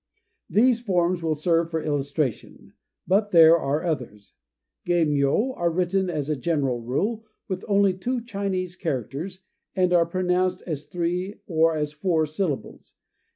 These forms will serve for illustration; but there are others. Geimyô are written, as a general rule, with only two Chinese characters, and are pronounced as three or as four syllables.